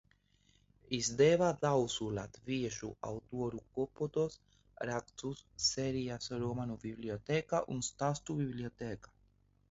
"Izdeva daudzu latviešu autoru kopotos rakstus, sērijas "Romānu bibliotēka" un "Stāstu bibliotēka"."